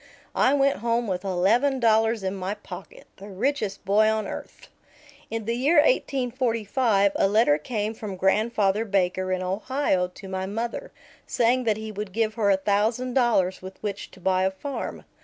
I went home with eleven dollars in my pocket, the richest boy on earth. In the year 1845 a letter came from Grandfather Baker in Ohio to my mother, saying that he would give her a thousand dollars with which to buy a farm.